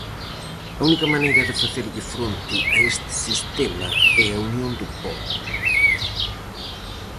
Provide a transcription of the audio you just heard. A única maneira de facerlle fronte a este sistema e a unión do pobo.